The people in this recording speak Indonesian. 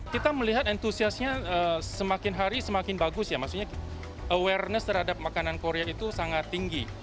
kita melihat entusiasnya semakin hari semakin bagus ya maksudnya awareness terhadap makanan korea itu sangat tinggi